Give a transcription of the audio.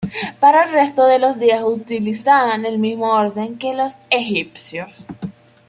Para el resto de los días utilizaban el mismo orden que los egipcios.